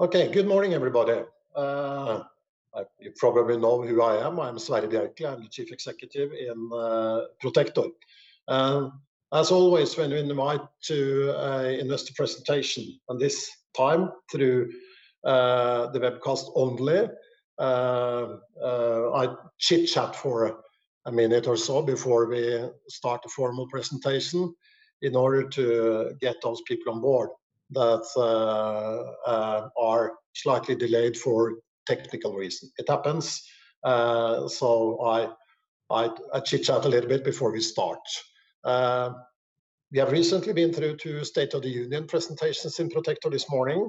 Okay. Good morning, everybody. You probably know who I am. I am Sverre Bjerkeli. I'm the Chief Executive in Protector. As always, when you're invited to an investor presentation, and this time through the webcast only, I chitchat for a minute or so before we start the formal presentation in order to get those people on board that are slightly delayed for technical reasons. It happens. I chitchat a little bit before we start. We have recently been through two State of the Union presentations in Protector this morning,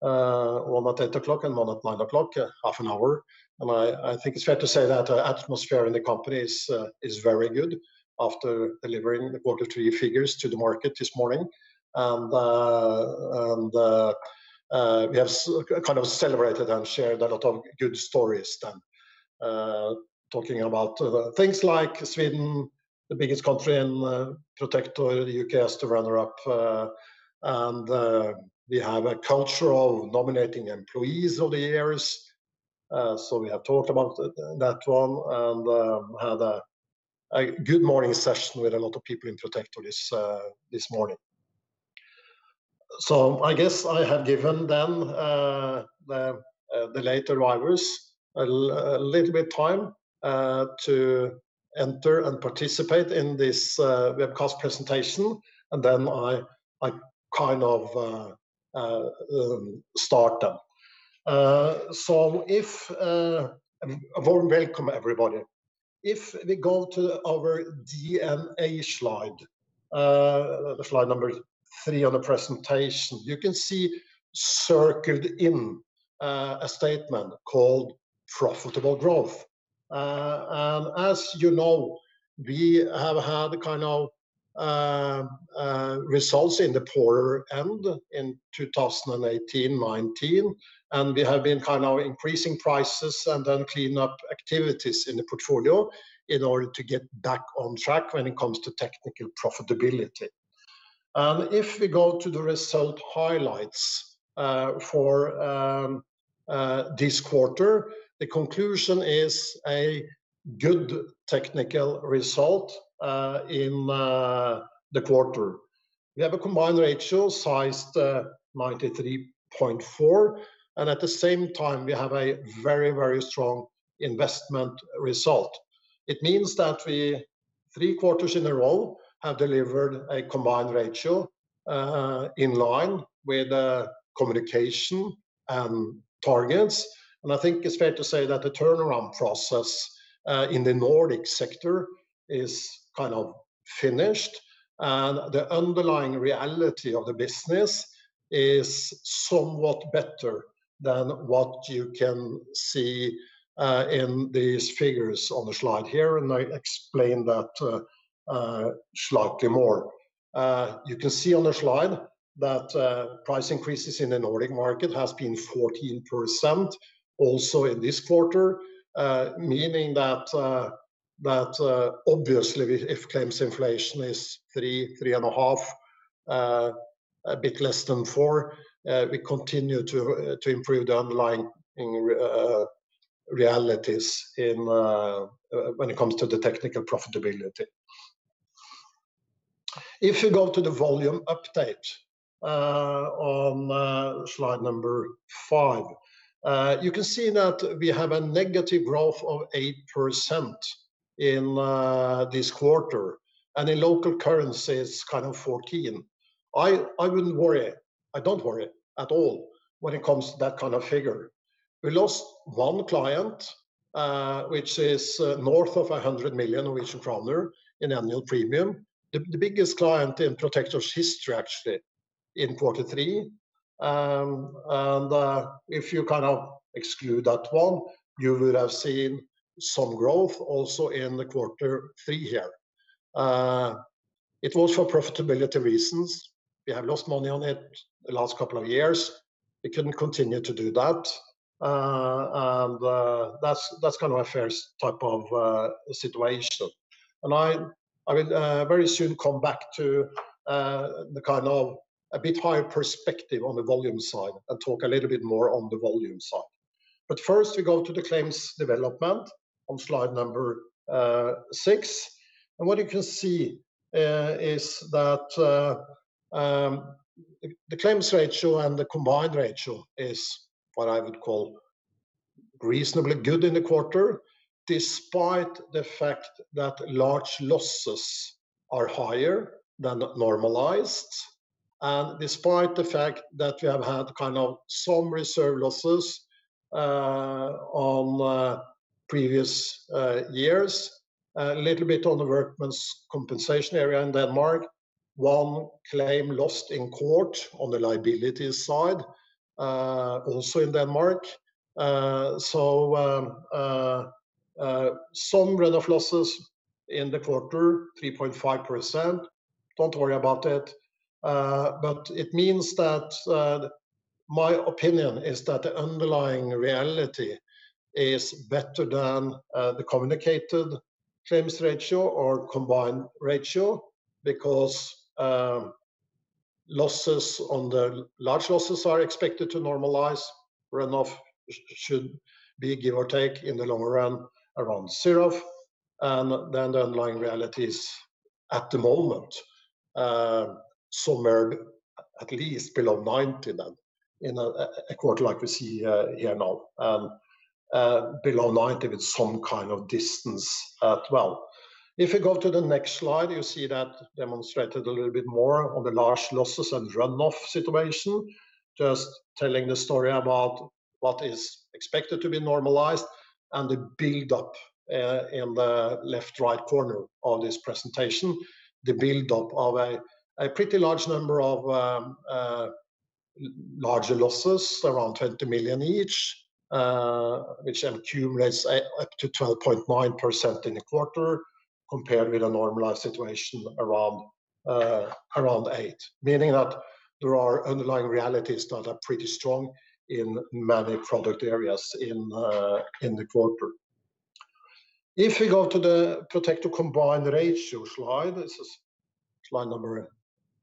one at 8:00 A.M. and one at 9:00 A.M., half an hour. I think it's fair to say that atmosphere in the company is very good after delivering the quarter three figures to the market this morning. We have kind of celebrated and shared a lot of good stories then. Talking about things like Sweden, the biggest country in Protector. The U.K. is the runner-up. We have a culture of nominating employees of the years. We have talked about that one and had a good morning session with a lot of people in Protector this morning. I guess I have given then the late arrivals a little bit of time to enter and participate in this webcast presentation, and then I kind of start then. A warm welcome, everybody. If we go to our DNA slide, the slide number three on the presentation, you can see circled in a statement called profitable growth. As you know, we have had kind of results in the poorer end in 2018-2019, and we have been kind of increasing prices and then cleanup activities in the portfolio in order to get back on track when it comes to technical profitability. If we go to the result highlights for this quarter, the conclusion is a good technical result in the quarter. We have a combined ratio sized 93.4%, and at the same time, we have a very strong investment result. It means that we three quarters in a row have delivered a combined ratio in line with communication and targets. I think it's fair to say that the turnaround process in the Nordic sector is kind of finished, and the underlying reality of the business is somewhat better than what you can see in these figures on the slide here, and I explain that slightly more. You can see on the slide that price increases in the Nordic market has been 14% also in this quarter, meaning that obviously if claims inflation is three and a half, a bit less than four we continue to improve the underlying realities when it comes to the technical profitability. If you go to the volume update on slide number five, you can see that we have a negative growth of eight percent in this quarter, and in local currency, it's kind of 14. I wouldn't worry. I don't worry at all when it comes to that kind of figure. We lost one client, which is north of 100 million Norwegian kroner in annual premium. The biggest client in Protector's history, actually, in quarter three. If you kind of exclude that one, you would have seen some growth also in the quarter three here. It was for profitability reasons. We have lost money on it the last couple of years. We couldn't continue to do that, and that's kind of a fair type of situation. I will very soon come back to the kind of a bit higher perspective on the volume side and talk a little bit more on the volume side. First, we go to the claims development on slide number six. What you can see is that the claims ratio and the combined ratio is what I would call reasonably good in the quarter, despite the fact that large losses are higher than normalized and despite the fact that we have had kind of some reserve losses on previous years. A little bit on the workers' compensation area in Denmark. One claim lost in court on the liability side, also in Denmark. Some run-off losses in the quarter, 3.5%. Don't worry about it. It means that my opinion is that the underlying reality is better than the communicated claims ratio or combined ratio, because losses on the large losses are expected to normalize. Run-off should be give or take in the long run around zero. Then the underlying reality is, at the moment, somewhere at least below 90 then in a quarter like we see here now. Below 90 with some kind of distance as well. If you go to the next slide, you see that demonstrated a little bit more on the large losses and run-off situation. Just telling the story about what is expected to be normalized and the build-up in the left-right corner of this presentation. The build-up of a pretty large number of larger losses, around 20 million each, which accumulates up to 12.9% in a quarter compared with a normalized situation around eight. Meaning that there are underlying realities that are pretty strong in many product areas in the quarter. If we go to the Protector Combined Ratio slide, this is slide number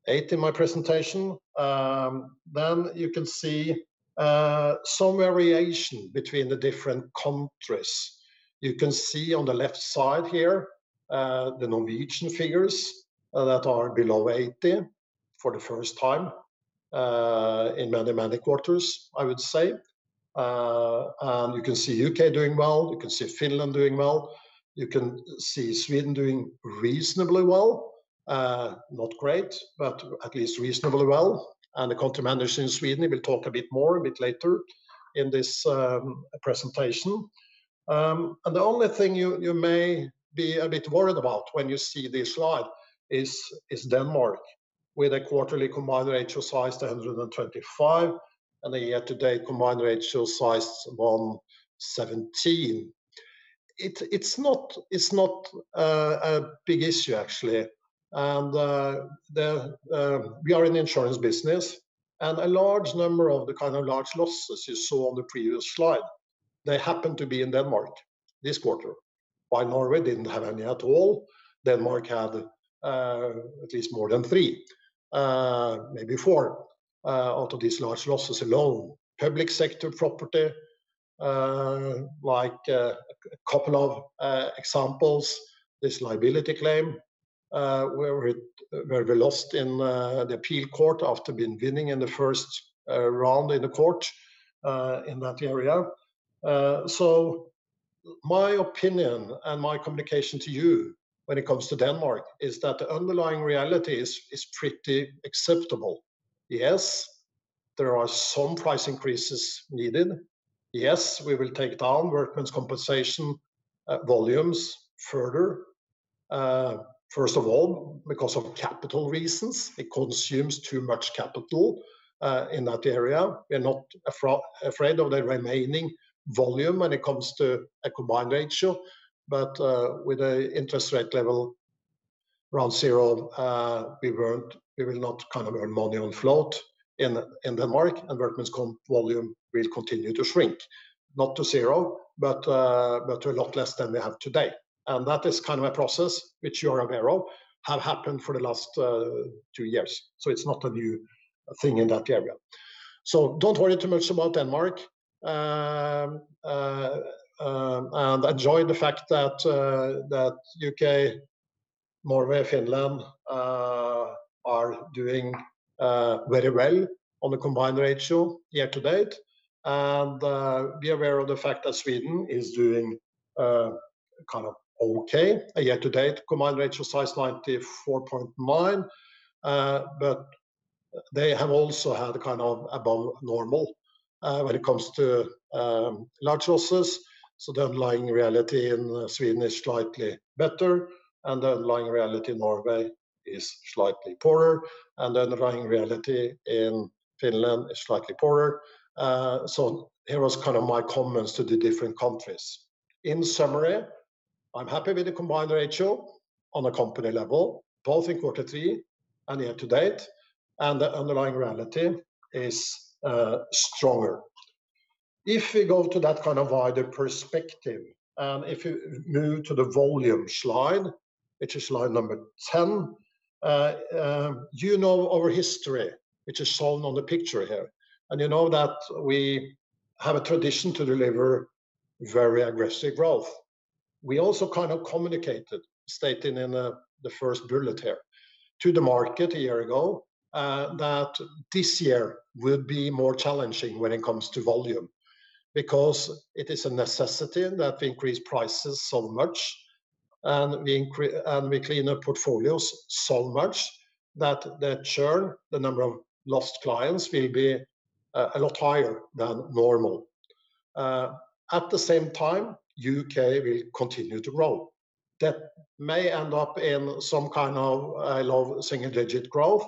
eight in my presentation. You can see some variation between the different countries. You can see on the left side here, the Norwegian figures that are below 80 for the first time in many quarters, I would say. You can see U.K. doing well. You can see Finland doing well. You can see Sweden doing reasonably well. Not great, but at least reasonably well. The Country Manager in Sweden will talk a bit more a bit later in this presentation. The only thing you may be a bit worried about when you see this slide is Denmark with a quarterly combined ratio 125% and a year-to-date combined ratio around 17%. It's not a big issue, actually. We are in the insurance business and a large number of the kind of large losses you saw on the previous slide, they happen to be in Denmark this quarter. While Norway didn't have any at all, Denmark had at least more than three, maybe four out of these large losses alone. Public sector property, like a couple of examples, this liability claim where we lost in the appeal court after winning in the first round in the court in that area. My opinion and my communication to you when it comes to Denmark is that the underlying reality is pretty acceptable. Yes, there are some price increases needed. Yes, we will take down workers' compensation volumes further. First of all, because of capital reasons. It consumes too much capital in that area. We are not afraid of the remaining volume when it comes to a combined ratio. With the interest rate level around zero, we will not earn money on float in Denmark, and workers' comp volume will continue to shrink. Not to zero, but to a lot less than we have today. That is kind of a process which you are aware of, have happened for the last two years. It's not a new thing in that area. Don't worry too much about Denmark. Enjoy the fact that U.K., Norway, Finland are doing very well on the combined ratio year to date. Be aware of the fact that Sweden is doing kind of okay year to date. Combined ratio size 94.9. They have also had above normal when it comes to large losses. The underlying reality in Sweden is slightly better, and the underlying reality in Norway is slightly poorer, and the underlying reality in Finland is slightly poorer. Here was my comments to the different countries. In summary, I'm happy with the combined ratio on a company level, both in quarter three and year to date, and the underlying reality is stronger. If we go to that kind of wider perspective, if you move to the volume slide, which is slide number 10. You know our history, which is shown on the picture here. You know that we have a tradition to deliver very aggressive growth. We also kind of communicated, stating in the first bullet here, to the market a year ago, that this year will be more challenging when it comes to volume because it is a necessity that we increase prices so much and we clean up portfolios so much that the churn, the number of lost clients, will be a lot higher than normal. At the same time, U.K. will continue to grow. That may end up in some kind of low single-digit growth,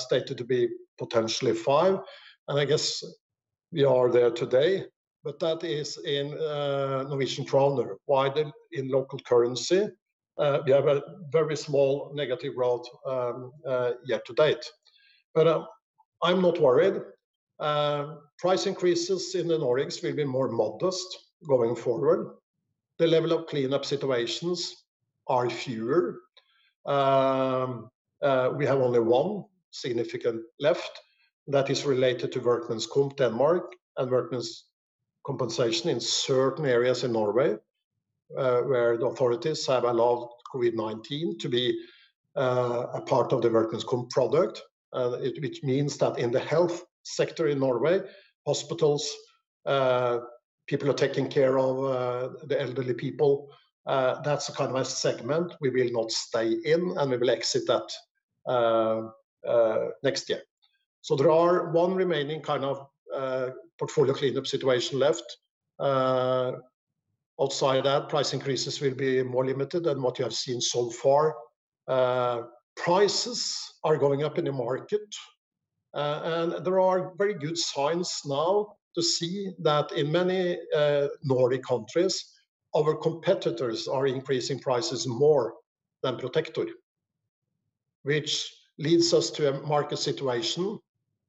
stated to be potentially five. I guess we are there today, but that is in NOK. In local currency, we have a very small negative growth year to date. I'm not worried. Price increases in the Nordics will be more modest going forward. The level of cleanup situations are fewer. We have only one significant left that is related to workers' comp Denmark and workers' compensation in certain areas in Norway, where the authorities have allowed COVID-19 to be a part of the workers' comp product. Which means that in the health sector in Norway, hospitals, people are taking care of the elderly people. That's a segment we will not stay in, and we will exit that next year. There is one remaining portfolio cleanup situation left. Outside that, price increases will be more limited than what you have seen so far. Prices are going up in the market. There are very good signs now to see that in many Nordic countries, our competitors are increasing prices more than Protector. Which leads us to a market situation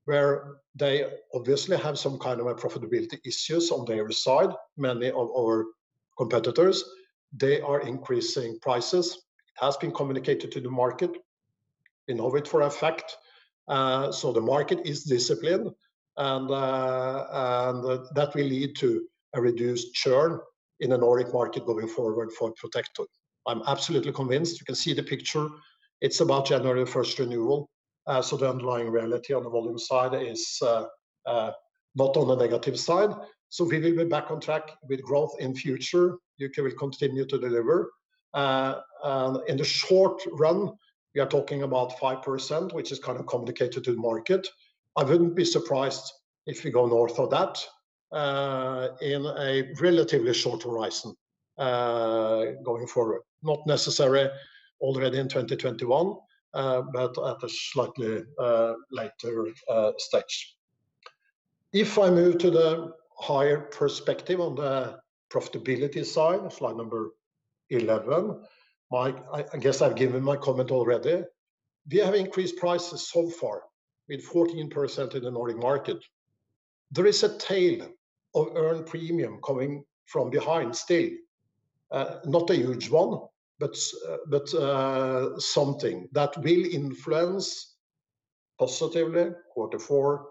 where they obviously have some kind of profitability issues on their side, many of our competitors. They are increasing prices. It has been communicated to the market. We know it for a fact. The market is disciplined, and that will lead to a reduced churn in the Nordic market going forward for Protector. I am absolutely convinced. You can see the picture. It is about January 1st renewal, so the underlying reality on the volume side is not on the negative side. We will be back on track with growth in the future. U.K. will continue to deliver. In the short run, we are talking about 5%, which is kind of communicated to the market. I wouldn't be surprised if we go north of that in a relatively short horizon going forward, not necessarily already in 2021, but at a slightly later stage. If I move to the higher perspective on the profitability side, slide number 11. I guess I've given my comment already. We have increased prices so far with 14% in the Nordic market. There is a tail of earned premium coming from behind still. Not a huge one, something that will influence positively quarter four,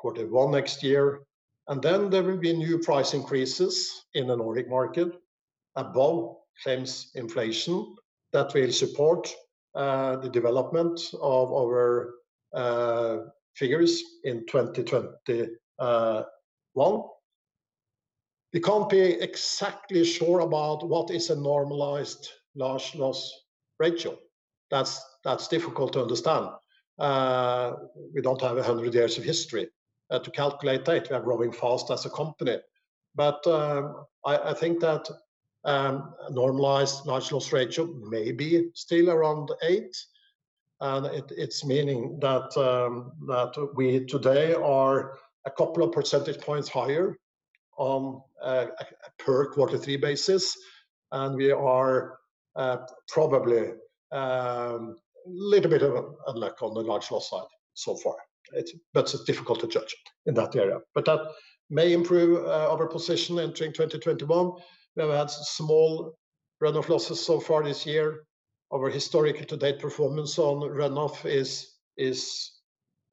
quarter one next year. There will be new price increases in the Nordic market above claims inflation that will support the development of our figures in 2021. We can't be exactly sure about what is a normalized large loss ratio. That's difficult to understand. We don't have 100 years of history to calculate that. We are growing fast as a company. I think that normalized large loss ratio may be still around eight, and it's meaning that we today are a couple of percentage points higher on a per Q3 basis, and we are probably a little bit of luck on the large loss side so far. It's difficult to judge it in that area. That may improve our position entering 2021. We have had small run-off losses so far this year. Our historic year-to-date performance on run-off is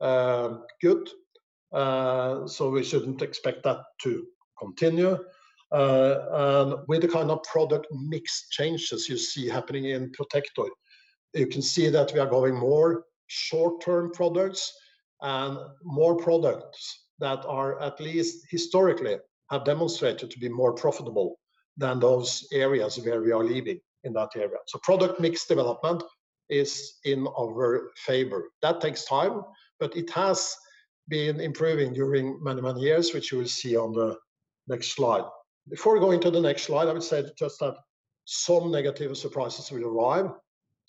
good. We shouldn't expect that to continue. With the kind of product mix changes you see happening in Protector, you can see that we are going more short-term products and more products that are at least historically have demonstrated to be more profitable than those areas where we are leaving in that area. Product mix development is in our favor. That takes time, but it has been improving during many, many years, which you will see on the next slide. Before going to the next slide, I would say just that some negative surprises will arrive.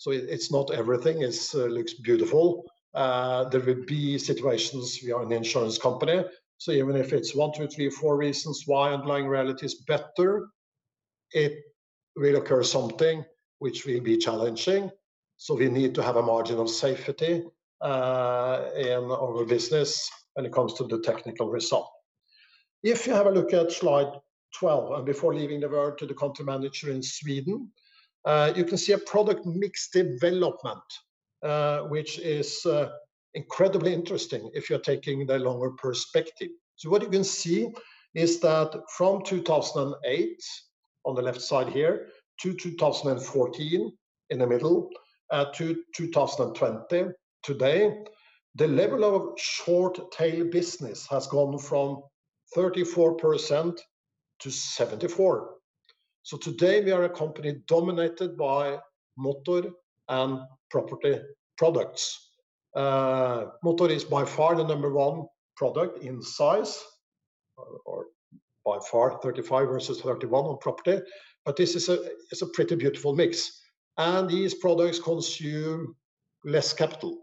It's not everything looks beautiful. There will be situations, we are an insurance company. Even if it's one, two, three, four reasons why underlying reality is better, it will occur something which will be challenging. We need to have a margin of safety in our business when it comes to the technical result. If you have a look at slide 12, and before leaving the word to the country manager in Sweden, you can see a product mix development, which is incredibly interesting if you're taking the longer perspective. What you can see is that from 2008 on the left side here to 2014 in the middle, to 2020 today, the level of short-tail business has gone from 34%-74%. Today, we are a company dominated by motor and property products. Motor is by far the number one product in size, or by far 35 versus 31 on property. This is a pretty beautiful mix, and these products consume less capital.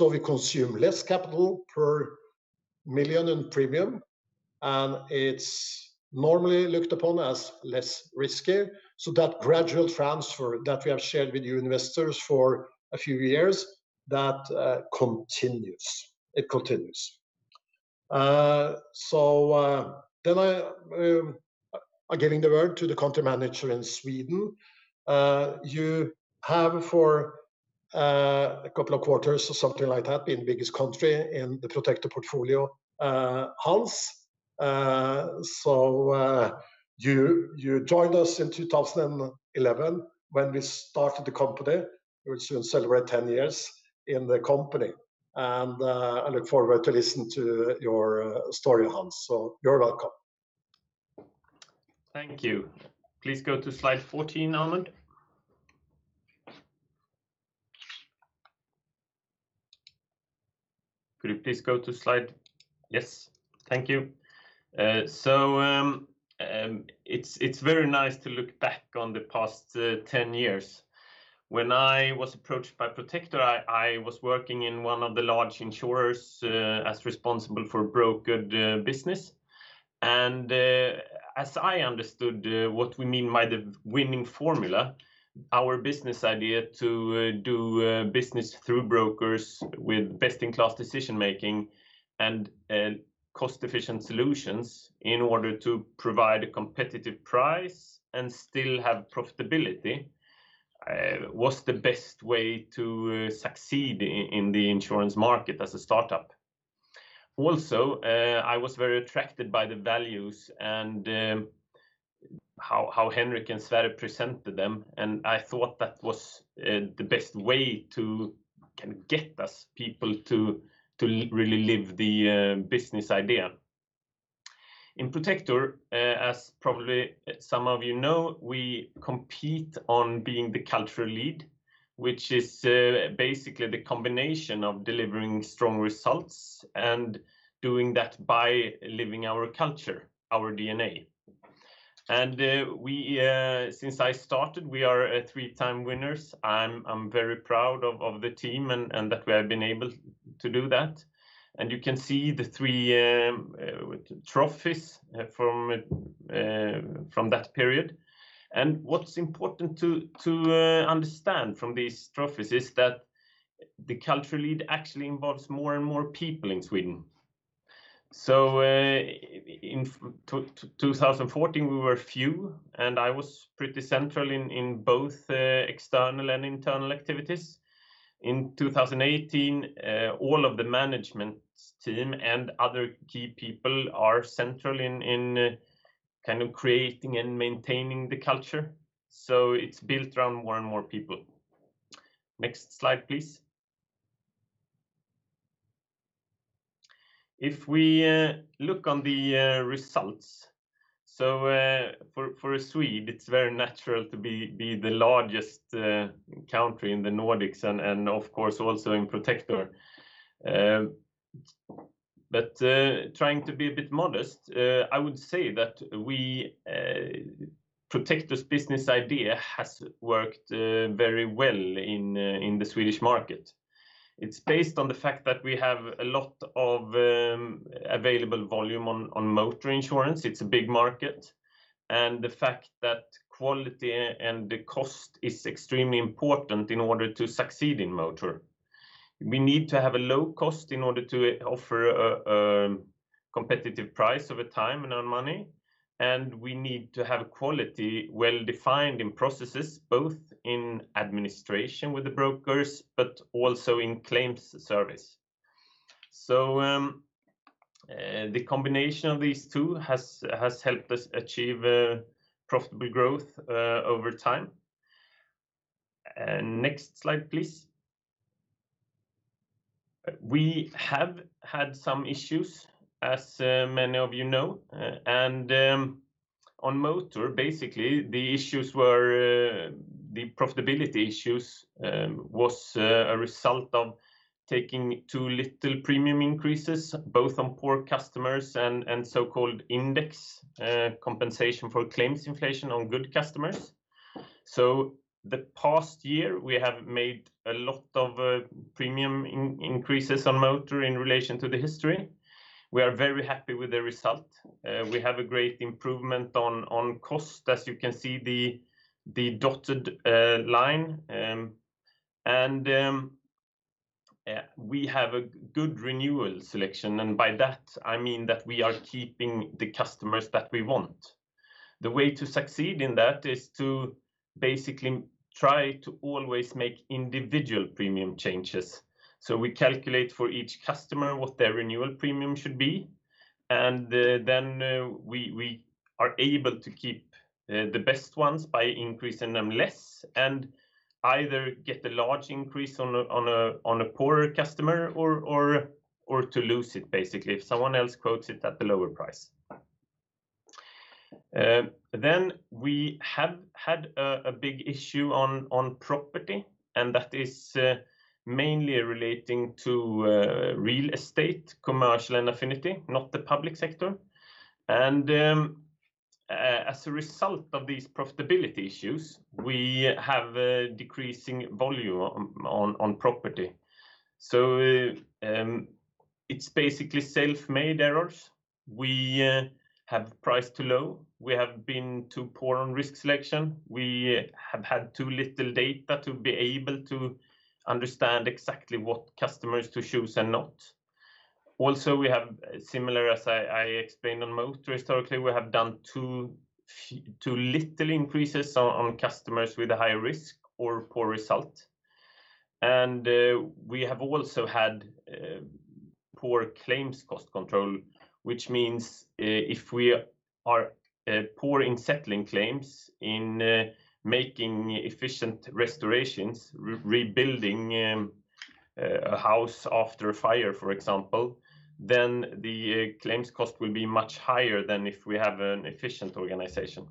We consume less capital per million in premium, and it's normally looked upon as less risky. That gradual transfer that we have shared with you investors for a few years, that continues. It continues. I am giving the word to the Country Manager in Sweden. You have for a couple of quarters or something like that, been biggest country in the Protector portfolio. Hans, you joined us in 2011 when we started the company. You will soon celebrate 10 years in the company. I look forward to listen to your story, Hans. You're welcome. Thank you. Please go to slide 14, Amund. Could you please go to, Yes. Thank you. It's very nice to look back on the past 10 years. When I was approached by Protector, I was working in one of the large insurers as responsible for brokered business. As I understood what we mean by the winning formula, our business idea to do business through brokers with best-in-class decision-making and cost-efficient solutions in order to provide a competitive price and still have profitability, was the best way to succeed in the insurance market as a startup. Also, I was very attracted by the values and how Henrik and Sverre presented them, and I thought that was the best way to get us, people, to really live the business idea. In Protector, as probably some of you know, we compete on being the cultural lead, which is basically the combination of delivering strong results and doing that by living our culture, our DNA. Since I started, we are three-time winners. I am very proud of the team and that we have been able to do that. You can see the three trophies from that period. What is important to understand from these trophies is that the cultural lead actually involves more and more people in Sweden. In 2014, we were few, and I was pretty central in both external and internal activities. In 2018, all of the management team and other key people are central in creating and maintaining the culture. It is built around more and more people. Next slide, please. If we look on the results, for a Swede, it's very natural to be the largest country in the Nordics and of course also in Protector. Trying to be a bit modest, I would say that Protector's business idea has worked very well in the Swedish market. It's based on the fact that we have a lot of available volume on motor insurance. It's a big market. The fact that quality and the cost is extremely important in order to succeed in motor. We need to have a low cost in order to offer a competitive price over time and earn money. We need to have quality well defined in processes, both in administration with the brokers, but also in claims service. The combination of these two has helped us achieve profitable growth over time. Next slide, please. We have had some issues, as many of you know. On motor, basically the profitability issues was a result of taking too little premium increases, both on poor customers and so-called index compensation for claims inflation on good customers. The past year, we have made a lot of premium increases on motor in relation to the history. We are very happy with the result. We have a great improvement on cost, as you can see the dotted line. We have a good renewal selection. By that I mean that we are keeping the customers that we want. The way to succeed in that is to basically try to always make individual premium changes. We calculate for each customer what their renewal premium should be, and then we are able to keep the best ones by increasing them less, and either get a large increase on a poorer customer or to lose it, basically, if someone else quotes it at a lower price. We have had a big issue on Property, and that is mainly relating to real estate, commercial and affinity, not the Public Sector. As a result of these profitability issues, we have a decreasing volume on Property. It's basically self-made errors. We have priced too low. We have been too poor on risk selection. We have had too little data to be able to understand exactly what customers to choose and not. Also, similar as I explained on motor historically, we have done too little increases on customers with a high risk or poor result. We have also had poor claims cost control, which means if we are poor in settling claims, in making efficient restorations, rebuilding a house after a fire, for example, then the claims cost will be much higher than if we have an efficient organization.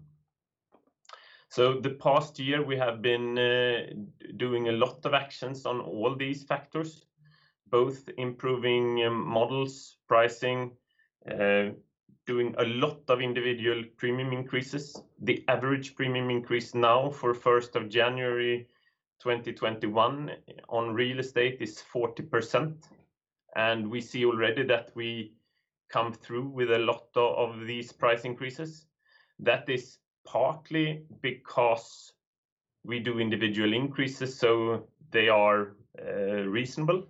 The past year, we have been doing a lot of actions on all these factors, both improving models, pricing, doing a lot of individual premium increases. The average premium increase now for January 1, 2021 on real estate is 40%. We see already that we come through with a lot of these price increases. That is partly because we do individual increases, so they are reasonable,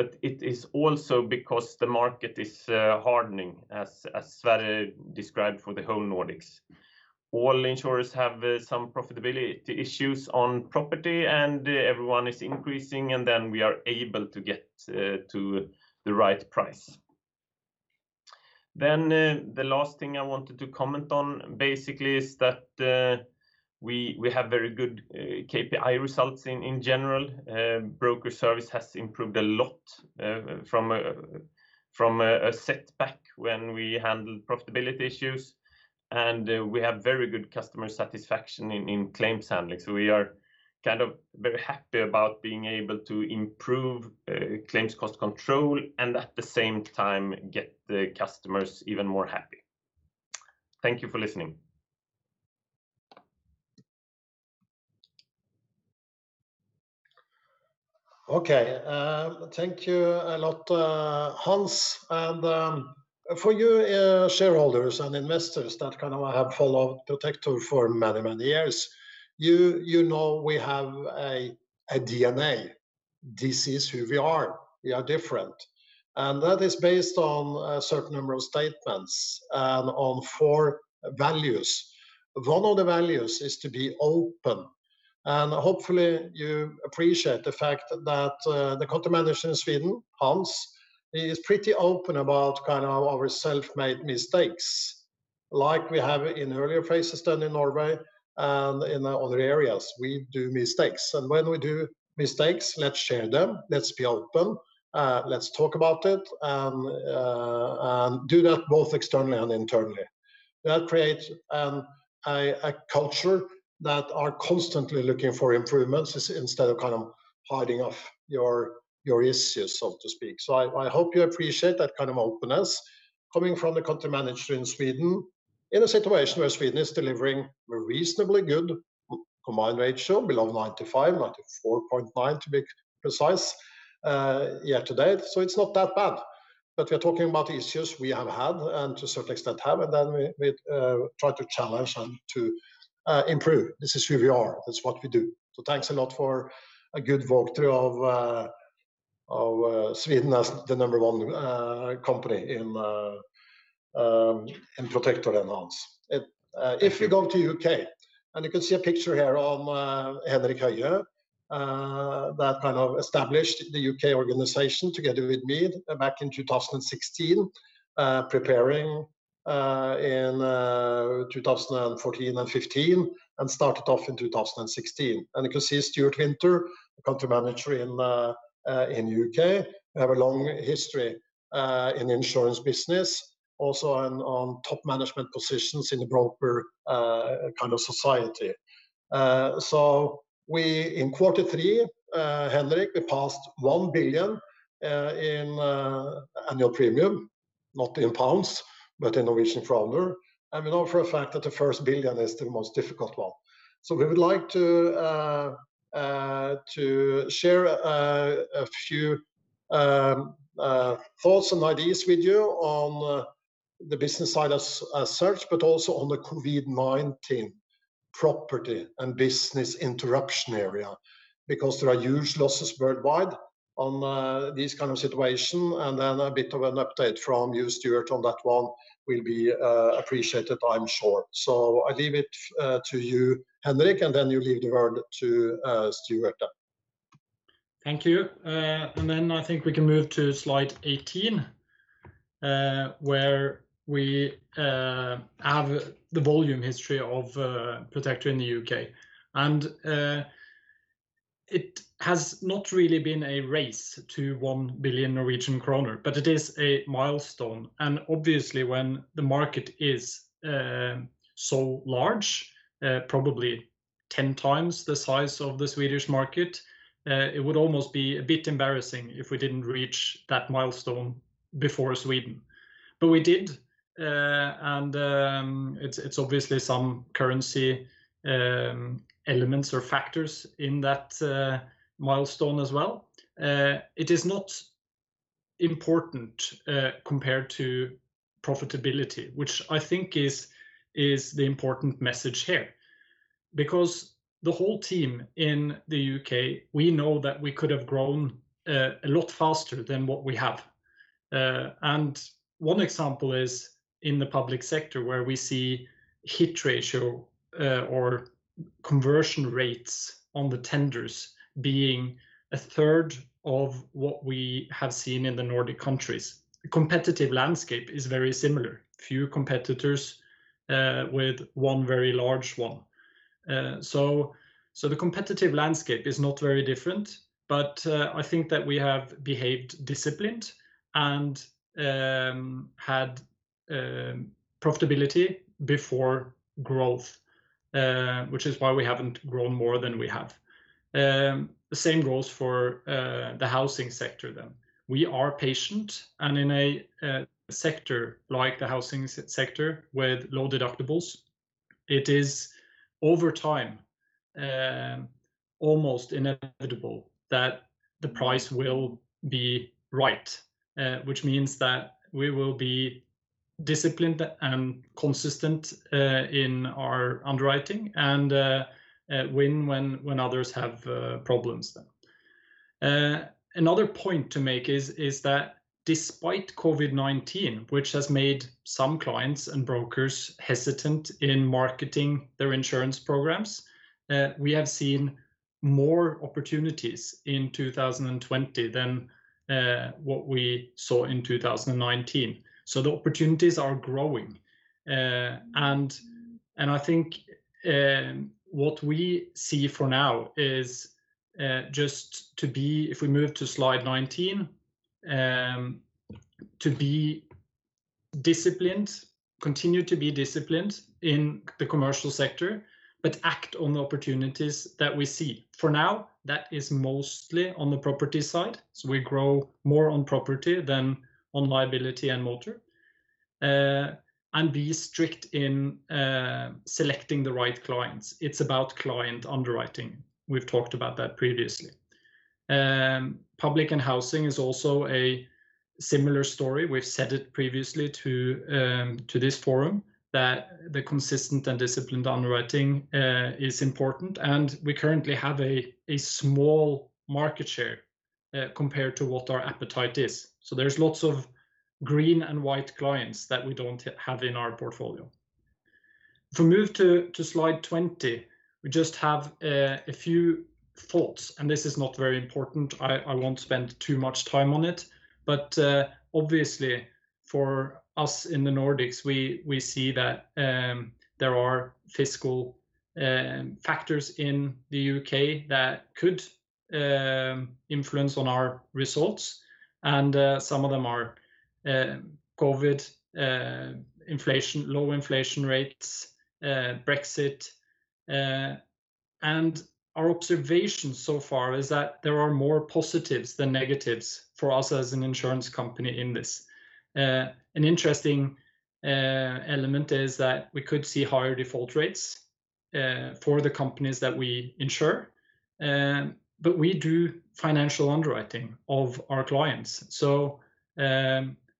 but it is also because the market is hardening, as Sverre described for the whole Nordics. All insurers have some profitability issues on property, and everyone is increasing, and then we are able to get to the right price. The last thing I wanted to comment on basically is that we have very good KPI results in general. Broker service has improved a lot from a setback when we handled profitability issues, and we have very good customer satisfaction in claims handling. We are very happy about being able to improve claims cost control and at the same time get the customers even more happy. Thank you for listening. Okay. Thank you a lot, Hans. For you shareholders and investors that have followed Protector for many, many years, you know we have a DNA. This is who we are. We are different. That is based on a certain number of statements and on four values. One of the values is to be open, and hopefully you appreciate the fact that the Country Manager Sweden, Hans, is pretty open about our self-made mistakes. Like we have in earlier phases than in Norway and in other areas, we do mistakes. When we do mistakes, let's share them, let's be open, let's talk about it, and do that both externally and internally. That creates a culture that are constantly looking for improvements instead of hiding your issues, so to speak. I hope you appreciate that kind of openness coming from the country manager in Sweden, in a situation where Sweden is delivering a reasonably good combined ratio, below 95, 94.9 to be precise, year to date. It's not that bad. We are talking about issues we have had and to a certain extent have, and then we try to challenge and to improve. This is who we are. That's what we do. Thanks a lot for a good walkthrough of Sweden as the number one company in Protector, Hans. If we go to U.K., and you can see a picture here of Henrik Høye that established the U.K. organization together with me back in 2016, preparing in 2014 and 2015, and started off in 2016. You can see Stuart Winter, the country manager in U.K., have a long history in the insurance business, also on top management positions in the broker society. In quarter three, Henrik, we passed 1 billion in annual premium, not in GBP, but in NOK. We know for a fact that the first 1 billion is the most difficult one. We would like to share a few thoughts and ideas with you on the business side as such, but also on the COVID-19 property and business interruption area, because there are huge losses worldwide on these kind of situation, a bit of an update from you, Stuart, on that one will be appreciated, I'm sure. I leave it to you, Henrik, you leave the word to Stuart. Thank you. I think we can move to slide 18, where we have the volume history of Protector in the U.K. It has not really been a race to 1 billion Norwegian kroner, but it is a milestone. Obviously when the market is so large, probably 10 times the size of the Swedish market, it would almost be a bit embarrassing if we didn't reach that milestone before Sweden. We did, it's obviously some currency elements or factors in that milestone as well. It is not important compared to profitability, which I think is the important message here. The whole team in the U.K., we know that we could have grown a lot faster than what we have. One example is in the public sector, where we see hit ratio or conversion rates on the tenders being a third of what we have seen in the Nordic countries. The competitive landscape is very similar. Few competitors with one very large one. The competitive landscape is not very different, but I think that we have behaved disciplined and had profitability before growth, which is why we haven't grown more than we have. The same goes for the housing sector then. We are patient, and in a sector like the housing sector with low deductibles, it is over time almost inevitable that the price will be right. Which means that we will be disciplined and consistent in our underwriting and win when others have problems then. Another point to make is that despite COVID-19, which has made some clients and brokers hesitant in marketing their insurance programs, we have seen more opportunities in 2020 than what we saw in 2019. The opportunities are growing. I think what we see for now is just to be, if we move to slide 19, to continue to be disciplined in the commercial sector, but act on the opportunities that we see. For now, that is mostly on the property side. We grow more on property than on liability and motor. Be strict in selecting the right clients. It's about client underwriting. We've talked about that previously. Public and housing is also a similar story. We've said it previously to this forum that the consistent and disciplined underwriting is important, and we currently have a small market share compared to what our appetite is. There's lots of green and white clients that we don't have in our portfolio. If we move to slide 20, we just have a few thoughts, and this is not very important. I won't spend too much time on it. Obviously for us in the Nordics, we see that there are fiscal factors in the U.K. that could influence on our results, and some of them are COVID, low inflation rates, Brexit. Our observation so far is that there are more positives than negatives for us as an insurance company in this. An interesting element is that we could see higher default rates for the companies that we insure. We do financial underwriting of our clients, so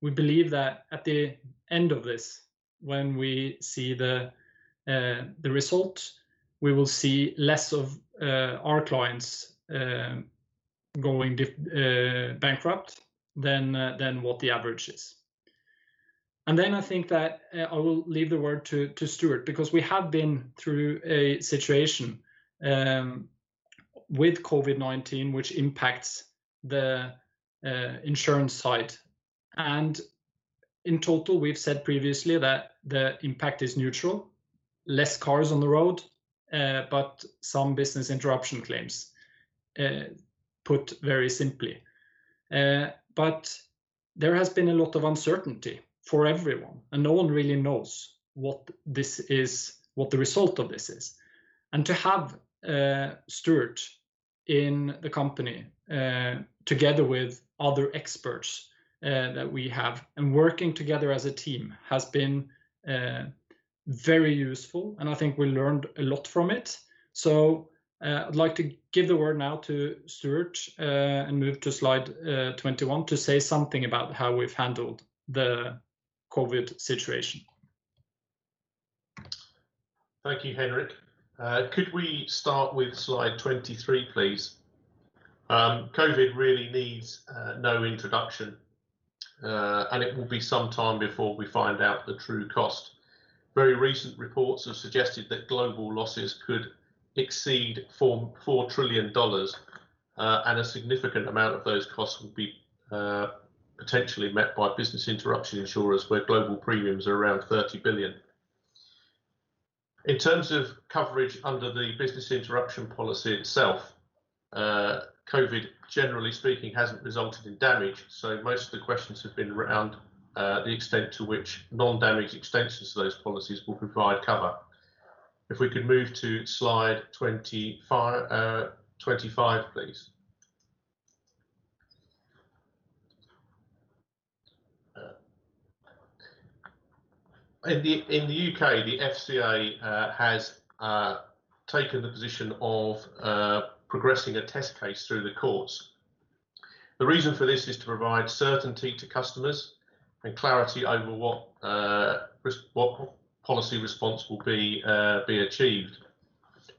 we believe that at the end of this, when we see the result, we will see less of our clients going bankrupt than what the average is. Then I think that I will leave the word to Stuart, because we have been through a situation with COVID-19 which impacts the insurance side. In total, we've said previously that the impact is neutral. Less cars on the road, but some business interruption claims, put very simply. There has been a lot of uncertainty for everyone, and no one really knows what the result of this is. To have Stuart in the company together with other experts that we have and working together as a team has been very useful, and I think we learned a lot from it. I'd like to give the word now to Stuart and move to slide 21 to say something about how we've handled the COVID situation. Thank you, Henrik. Could we start with slide 23, please? COVID really needs no introduction, and it will be some time before we find out the true cost. Very recent reports have suggested that global losses could exceed NOK 4 trillion, and a significant amount of those costs will be potentially met by business interruption insurers, where global premiums are around 30 billion. In terms of coverage under the business interruption policy itself, COVID, generally speaking, hasn't resulted in damage, so most of the questions have been around the extent to which non-damage extensions to those policies will provide cover. If we could move to Slide 25, please. In the U.K., the FCA has taken the position of progressing a test case through the courts. The reason for this is to provide certainty to customers and clarity over what policy response will be achieved.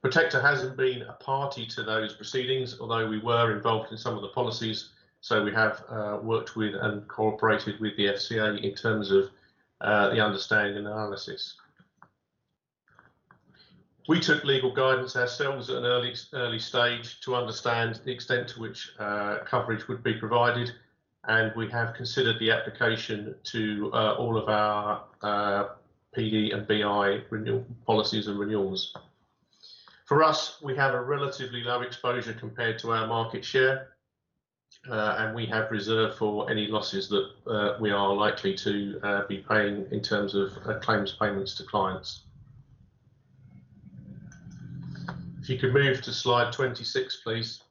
Protector hasn't been a party to those proceedings, although we were involved in some of the policies. We have worked with and cooperated with the FCA in terms of the understanding and analysis. We took legal guidance ourselves at an early stage to understand the extent to which coverage would be provided, and we have considered the application to all of our PD and BI renewal policies and renewals. For us, we have a relatively low exposure compared to our market share, and we have reserved for any losses that we are likely to be paying in terms of claims payments to clients. If you could move to Slide 26, please.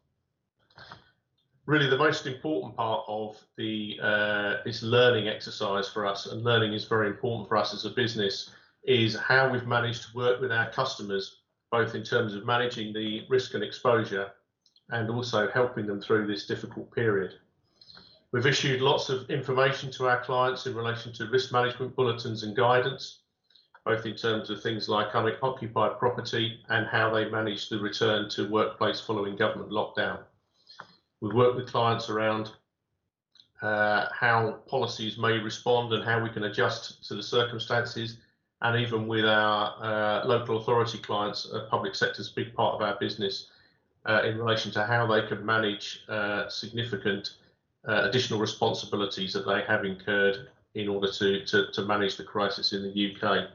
Really, the most important part of this learning exercise for us, and learning is very important for us as a business, is how we've managed to work with our customers, both in terms of managing the risk and exposure and also helping them through this difficult period. We've issued lots of information to our clients in relation to risk management bulletins and guidance, both in terms of things like unoccupied property and how they manage the return to workplace following government lockdown. We've worked with clients around how policies may respond and how we can adjust to the circumstances, and even with our local authority clients, Public Sector is a big part of our business, in relation to how they can manage significant additional responsibilities that they have incurred in order to manage the crisis in the U.K.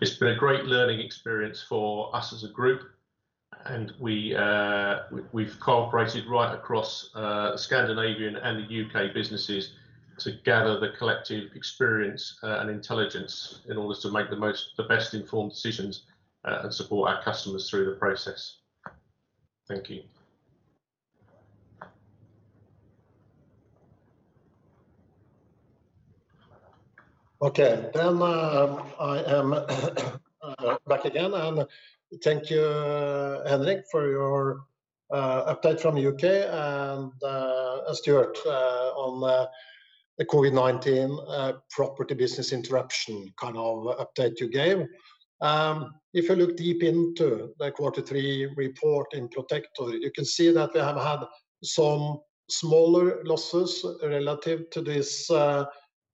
It's been a great learning experience for us as a group, and we've cooperated right across Scandinavian and the U.K. businesses to gather the collective experience and intelligence in order to make the best-informed decisions and support our customers through the process. Thank you. I am back again. Thank you, Henrik, for your update from U.K. and Stuart on the COVID-19 property business interruption kind of update you gave. If you look deep into the quarter three report in Protector, you can see that we have had some smaller losses relative to this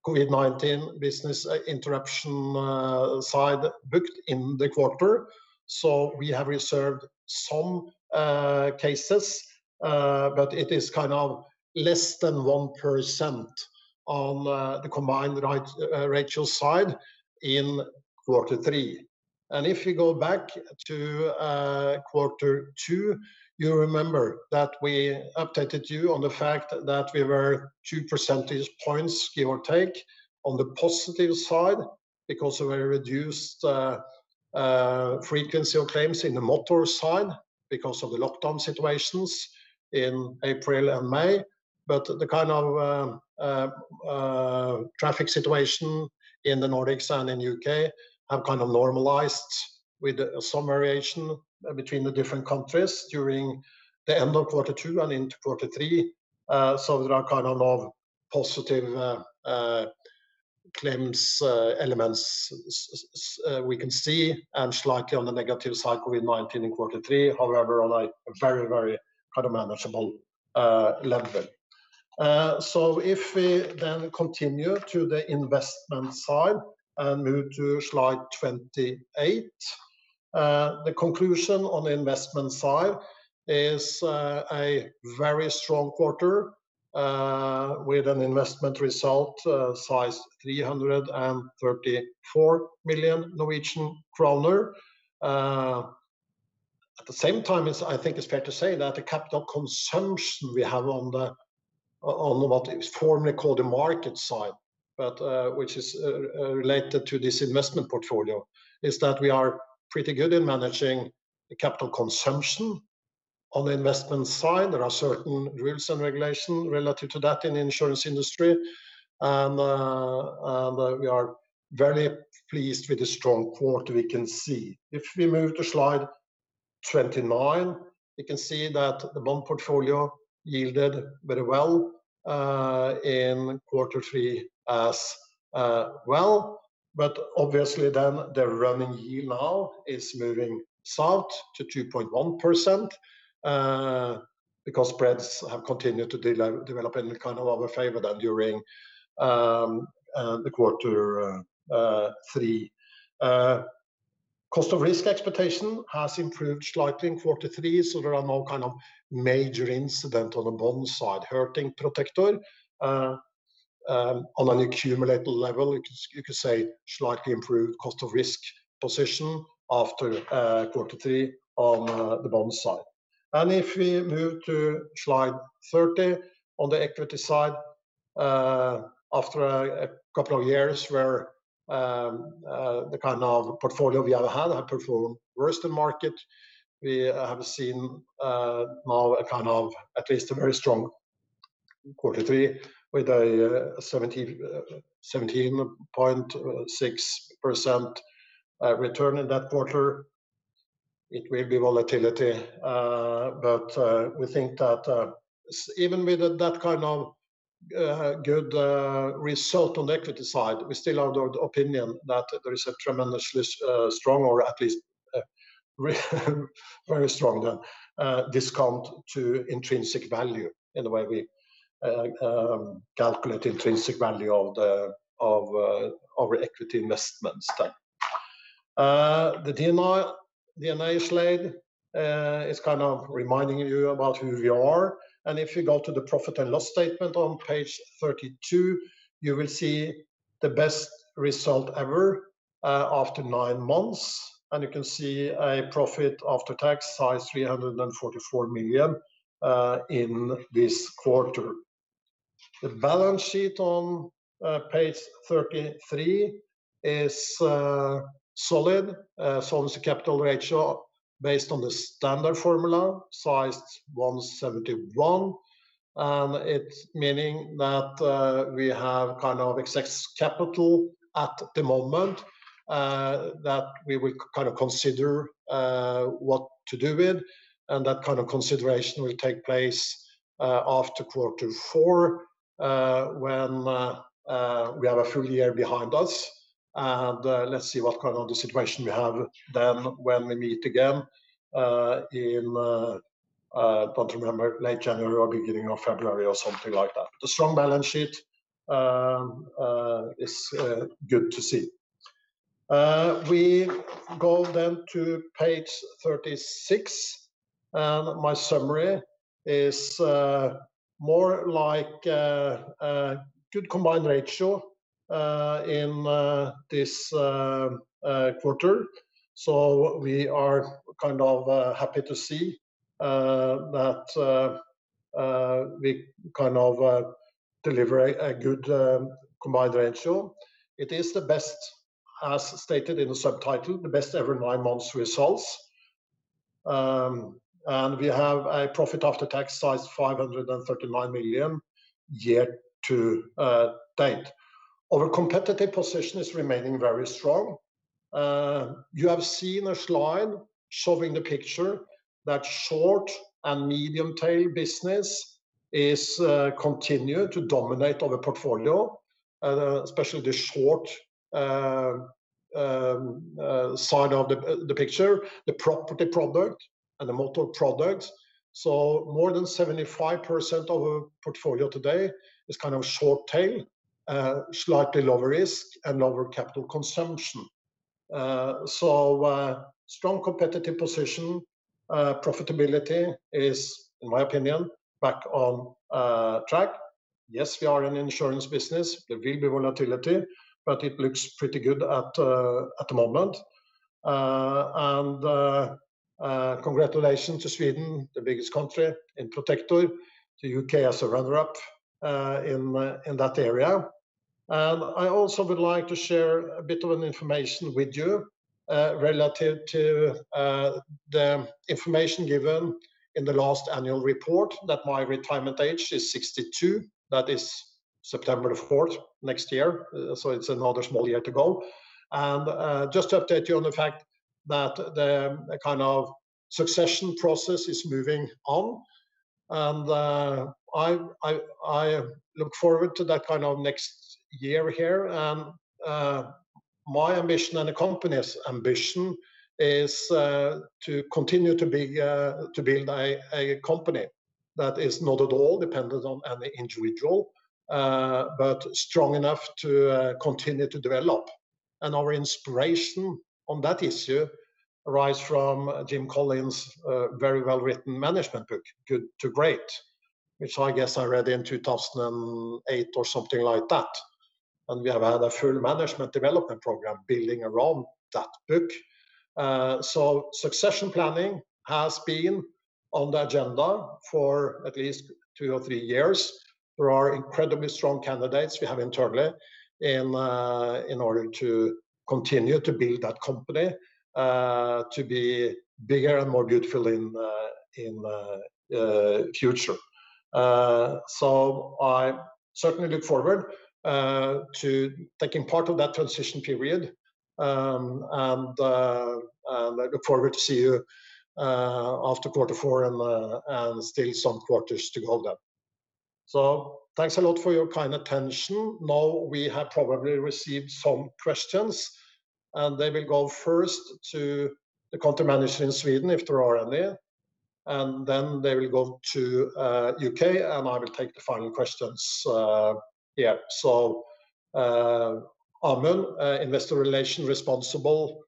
COVID-19 business interruption side booked in the quarter. We have reserved some cases, it is kind of less than 1% on the combined ratio side in quarter three. If you go back to quarter two, you remember that we updated you on the fact that we were 2 percentage points, give or take, on the positive side because of a reduced frequency of claims in the motor side because of the lockdown situations in April and May. The kind of traffic situation in the Nordics and in U.K. have kind of normalized with some variation between the different countries during the end of quarter two and into quarter three. There are kind of positive claims elements we can see and slightly on the negative side, COVID-19 in quarter three, however, on a very manageable level. We continue to the investment side and move to Slide 28. The conclusion on the investment side is a very strong quarter, with an investment result size 334 million Norwegian kroner. At the same time, I think it's fair to say that the capital consumption we have on what is formerly called the market side, but which is related to this investment portfolio, is that we are pretty good in managing the capital consumption on the investment side. There are certain rules and regulation relative to that in the insurance industry, and we are very pleased with the strong quarter we can see. If we move to Slide 29, you can see that the bond portfolio yielded very well in quarter three as well. Obviously then the running yield now is moving south to 2.1%, because spreads have continued to develop in kind of our favor then during the quarter three. Cost of risk expectation has improved slightly in quarter three, so there are no kind of major incident on the bond side hurting Protector. On an accumulative level, you could say slightly improved cost of risk position after quarter three on the bond side. If we move to slide 30, on the equity side, after a couple of years where the kind of portfolio we have had have performed worse than market, we have seen now at least a very strong quarter three with a 17.6% return in that quarter. It will be volatility, but we think that even with that kind of good result on the equity side, we still are of the opinion that there is a tremendously strong or at least a very strong discount to intrinsic value in the way we calculate intrinsic value of our equity investments then. The DNA slide is kind of reminding you about who we are. If you go to the profit and loss statement on page 32, you will see the best result ever after nine months, and you can see a profit after tax size 344 million in this quarter. The balance sheet on page 33 is solid. Solvency capital ratio based on the standard formula, size 171, and it is meaning that we have excess capital at the moment, that we will consider what to do with. That kind of consideration will take place after quarter four, when we have a full year behind us. Let's see what kind of the situation we have then when we meet again in, don't remember, late January or beginning of February or something like that. The strong balance sheet is good to see. We go then to page 36, and my summary is more like a good combined ratio in this quarter. We are kind of happy to see that we deliver a good combined ratio. It is, as stated in the subtitle, the best ever nine months results. We have a profit after tax of 539 million year to date. Our competitive position is remaining very strong. You have seen a slide showing the picture that short and medium tail business is continued to dominate our portfolio, especially the short side of the picture, the property product, and the motor product. More than 75% of our portfolio today is kind of short-tail, slightly lower risk, and lower capital consumption. Strong competitive position. Profitability is, in my opinion, back on track. Yes, we are an insurance business. There will be volatility, but it looks pretty good at the moment. Congratulations to Sweden, the biggest country in Protector, to U.K. as a runner-up in that area. I also would like to share a bit of an information with you, relative to the information given in the last annual report that my retirement age is 62. That is September the 4th next year, so it's another small year to go. Just to update you on the fact that the kind of succession process is moving on. I look forward to that next year here. My ambition and the company's ambition is to continue to build a company that is not at all dependent on any individual, but strong enough to continue to develop. Our inspiration on that issue arise from Jim Collins' very well-written management book, "Good to Great," which I guess I read in 2008 or something like that. We have had a full management development program building around that book. Succession planning has been on the agenda for at least two or three years. There are incredibly strong candidates we have internally in order to continue to build that company to be bigger and more beautiful in the future. I certainly look forward to taking part of that transition period. I look forward to see you after quarter four and still some quarters to go then. Thanks a lot for your kind attention. We have probably received some questions, and they will go first to the country manager in Sweden, if there are any, and then they will go to U.K., and I will take the final questions. Amund, Investor Relations responsible,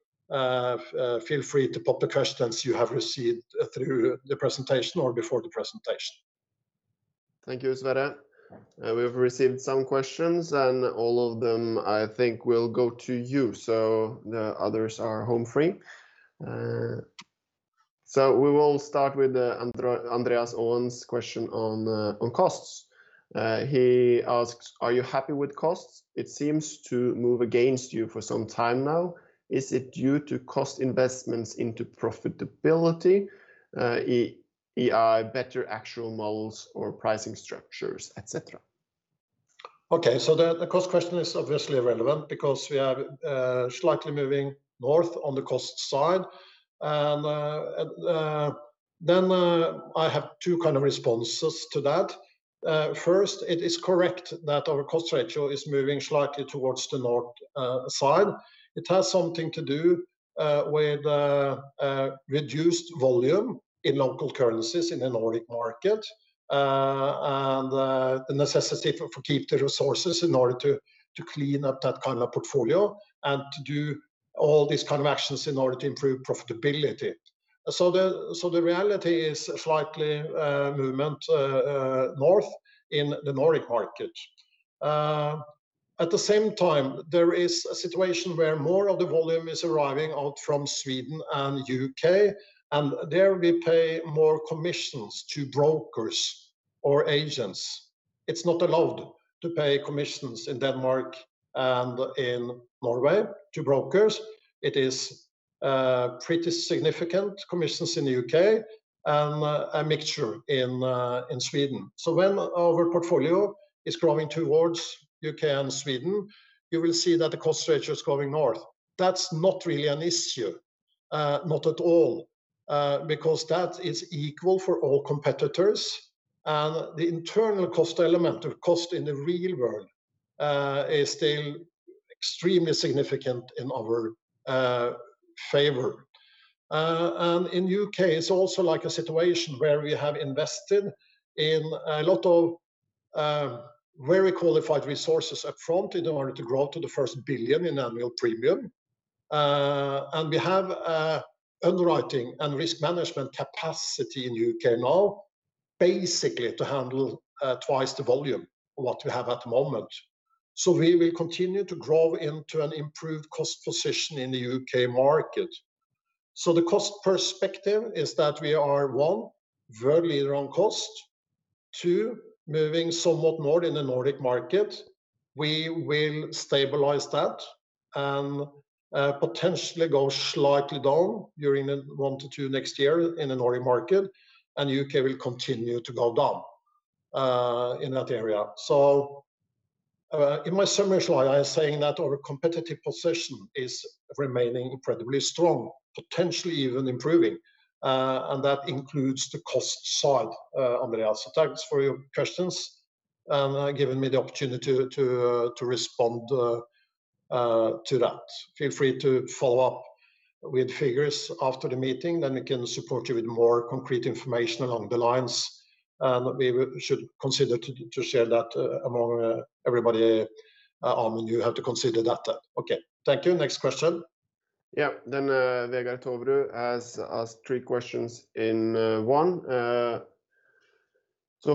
feel free to pop the questions you have received through the presentation or before the presentation. Thank you, Sverre. We have received some questions, and all of them, I think, will go to you, so the others are home free. We will start with Andreas Owen's question on costs. He asks, "Are you happy with costs? It seems to move against you for some time now. Is it due to cost investments into profitability, i.e., better actual models or pricing structures, et cetera? Okay, the cost question is obviously relevant because we are slightly moving north on the cost side. I have two kind of responses to that. First, it is correct that our cost ratio is moving slightly towards the north side. It has something to do with reduced volume in local currencies in the Nordic market, and the necessity for keep the resources in order to clean up that kind of portfolio and to do all these kind of actions in order to improve profitability. The reality is slightly movement north in the Nordic market. At the same time, there is a situation where more of the volume is arriving out from Sweden and U.K., and there we pay more commissions to brokers or agents. It's not allowed to pay commissions in Denmark and in Norway to brokers. It is pretty significant commissions in the U.K., and a mixture in Sweden. When our portfolio is growing towards U.K. and Sweden, you will see that the cost ratio is going north. That's not really an issue, not at all, because that is equal for all competitors, and the internal cost element of cost in the real world is still extremely significant in our favor. In U.K., it's also like a situation where we have invested in a lot of very qualified resources up front in order to grow to the first 1 billion in annual premium. We have underwriting and risk management capacity in U.K. now, basically to handle twice the volume of what we have at the moment. We will continue to grow into an improved cost position in the U.K. market. The cost perspective is that we are, one, world leader on cost. Two, moving somewhat north in the Nordic market. We will stabilize that and potentially go slightly down during the one to two next year in the Nordic market, and U.K. will continue to go down in that area. In my summary slide, I am saying that our competitive position is remaining incredibly strong, potentially even improving, and that includes the cost side, Andreas. Thanks for your questions and giving me the opportunity to respond to that. Feel free to follow up with figures after the meeting, then we can support you with more concrete information along the lines. We should consider to share that among everybody, Amund, you have to consider that. Thank you. Next question. Yeah. Vegard Toverud has asked three questions in one.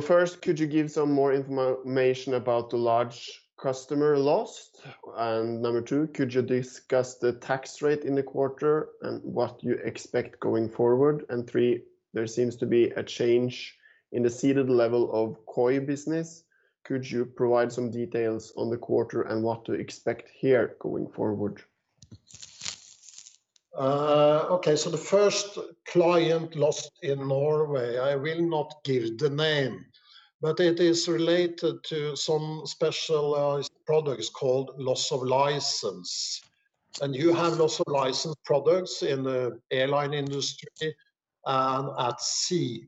First, could you give some more information about the large customer lost? Number two, could you discuss the tax rate in the quarter and what you expect going forward? Three, there seems to be a change in the ceded level of coinsurance business. Could you provide some details on the quarter and what to expect here going forward? Okay, the first client lost in Norway, I will not give the name. It is related to some specialized products called loss of license, and you have loss of license products in the airline industry and at sea.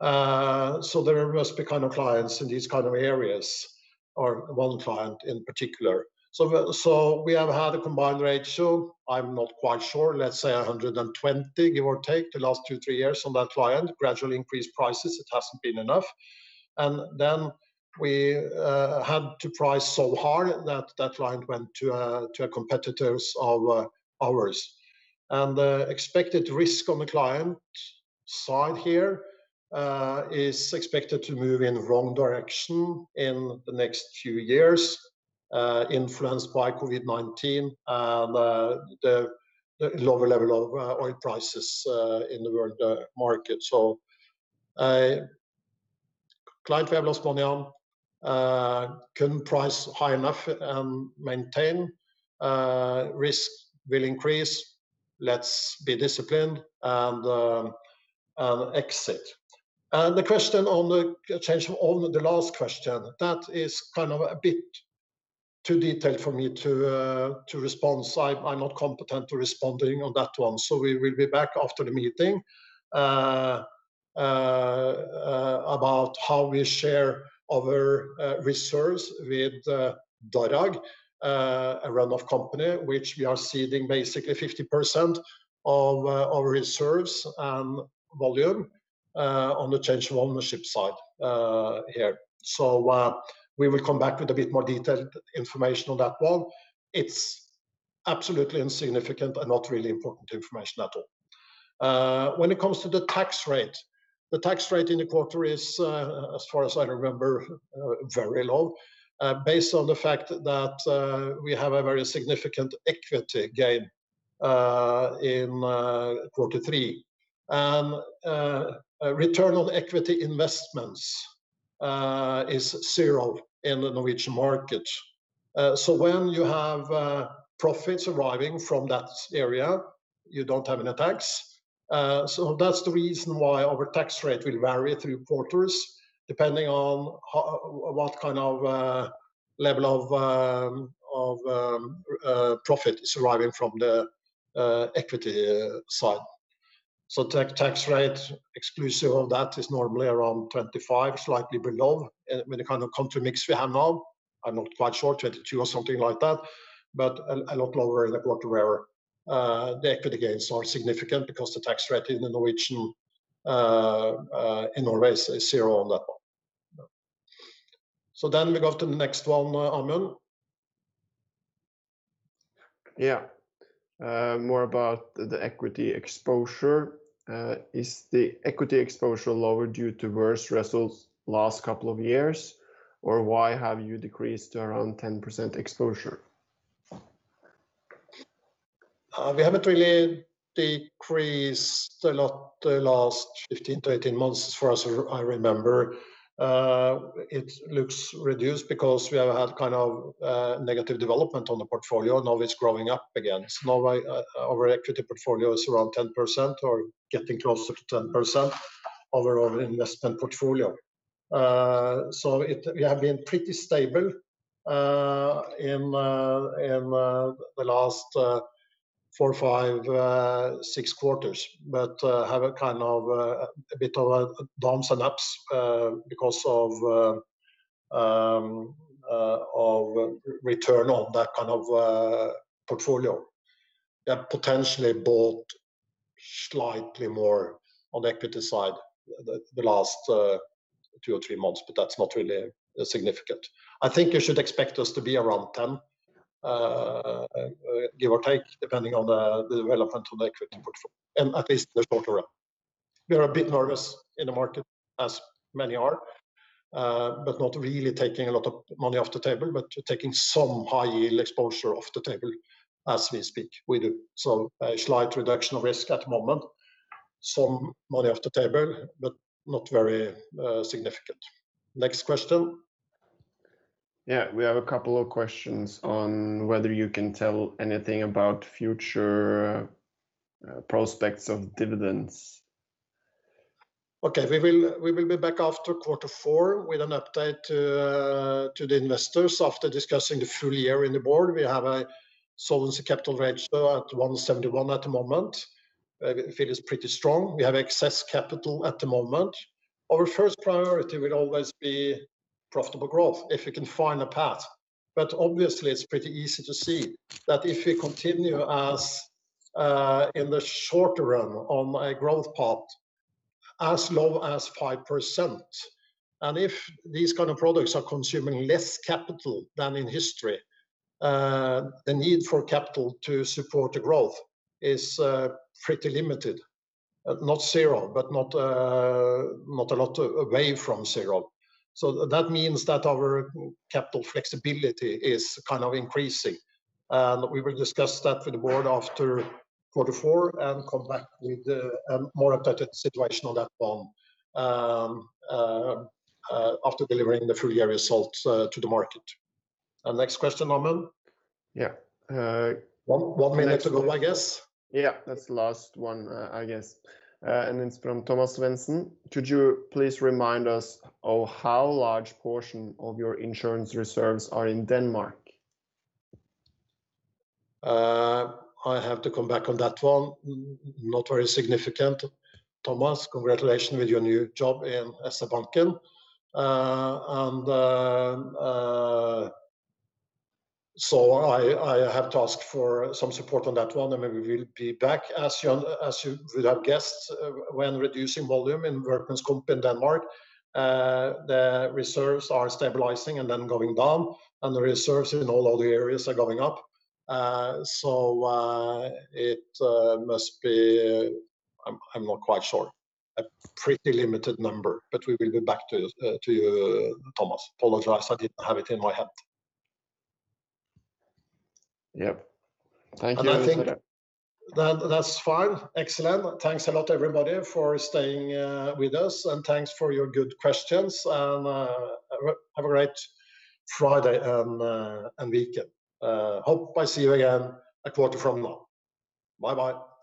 There must be kind of clients in these kind of areas, or one client in particular. We have had a combined ratio, I'm not quite sure, let's say 120, give or take the last two, three years on that client, gradually increased prices. It hasn't been enough. We had to price so hard that that client went to a competitor of ours. The expected risk on the client side here is expected to move in the wrong direction in the next few years, influenced by COVID-19 and the lower level of oil prices in the world market. A client we have lost money on, couldn't price high enough and maintain. Risk will increase. Let's be disciplined and exit. The question on the change on the last question, that is kind of a bit too detailed for me to respond. I'm not competent to responding on that one, so we will be back after the meeting about how we share our reserves with DARAG, a run-off company, which we are ceding basically 50% of our reserves and volume on the change of ownership side here. We will come back with a bit more detailed information on that one. It's absolutely insignificant and not really important information at all. When it comes to the tax rate, the tax rate in the quarter is, as far as I remember, very low based on the fact that we have a very significant equity gain in Q3. Return on equity investments is zero in the Norwegian market. When you have profits arriving from that area, you don't have any tax. That's the reason why our tax rate will vary through quarters depending on what kind of level of profit is arriving from the equity side. Tax rate exclusive of that is normally around 25%, slightly below. With the kind of country mix we have now, I'm not quite sure, 22% or something like that, but a lot lower in the quarter where the equity gains are significant because the tax rate in Norway is zero on that one. We go to the next one, Amund. Yeah. More about the equity exposure. Is the equity exposure lower due to worse results last couple of years? Or why have you decreased to around 10% exposure? We haven't really decreased a lot the last 15-18 months, as far as I remember. It looks reduced because we have had negative development on the portfolio. Now it's growing up again. Now our equity portfolio is around 10%, or getting closer to 10% of our investment portfolio. We have been pretty stable in the last four, five, six quarters, but have a bit of a dance and ups because of return on that kind of portfolio. We have potentially bought slightly more on the equity side the last two or three months, but that's not really significant. I think you should expect us to be around 10, give or take, depending on the development on the equity portfolio, at least the shorter run. We are a bit nervous in the market, as many are, but not really taking a lot of money off the table, but taking some high yield exposure off the table as we speak. We do some slight reduction of risk at the moment. Some money off the table, but not very significant. Next question. Yeah. We have a couple of questions on whether you can tell anything about future prospects of dividends. Okay. We will be back after quarter four with an update to the investors after discussing the full year in the board. We have a solvency capital ratio at 171 at the moment. I feel it's pretty strong. We have excess capital at the moment. Our first priority will always be profitable growth if we can find a path. Obviously, it's pretty easy to see that if we continue as in the shorter run on a growth path as low as 5%, and if these kind of products are consuming less capital than in history, the need for capital to support the growth is pretty limited. Not zero, but not a lot away from zero. That means that our capital flexibility is increasing. We will discuss that with the Board after quarter four and come back with a more updated situation on that one after delivering the full year results to the market. Next question, Amund. Yeah. One minute to go, I guess. Yeah. That's the last one, I guess. It's from Thomas Svendsen. Could you please remind us of how large portion of your insurance reserves are in Denmark? I have to come back on that one. Not very significant. Thomas, congratulations with your new job in SEB. I have to ask for some support on that one, and maybe we will be back. As you would have guessed, when reducing volume in Verdenskamp in Denmark, the reserves are stabilizing and then going down, and the reserves in all other areas are going up. It must be, I'm not quite sure, a pretty limited number. We will get back to you, Thomas. I apologize, I didn't have it in my hand. Yep. Thank you. I think that's fine. Excellent. Thanks a lot, everybody, for staying with us, and thanks for your good questions. Have a great Friday and weekend. Hope I see you again a quarter from now. Bye-bye.